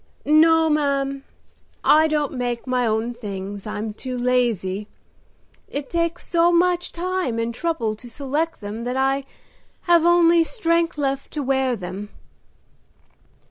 "No, ma'am, I don't make my own things, I'm too lazy. It takes so much time and trouble to select them that I have only strength left to wear them."